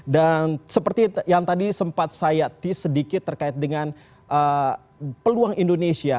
dan seperti yang tadi sempat saya tease sedikit terkait dengan peluang indonesia